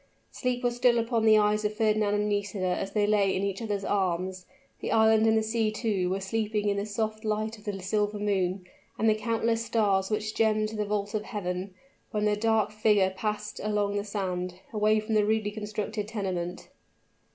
Sleep was still upon the eyes of Fernand and Nisida as they lay in each other's arms the island and the sea, too, were sleeping in the soft light of the silver moon, and the countless stars which gemmed the vault of heaven, when the dark figure passed along the sand, away from the rudely constructed tenement.